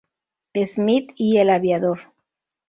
Smith" y "El aviador".